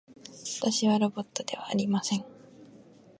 私はロボットではありません。